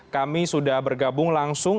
kami sudah bergabung langsung